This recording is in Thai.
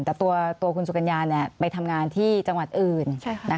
แต่ตัวคุณสุกัญญาไปทำงานที่จังหวัดอื่น